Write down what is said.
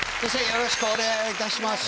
よろしくお願いします。